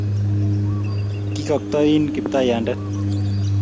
Kigakto-in, Kiptaiyandet,